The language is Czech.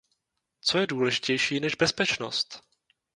Co je důležitější než bezpečnost?